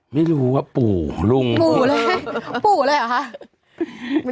ไม่รู้ว่าปู่ลุงปู่เลยปู่เลยเหรอคะ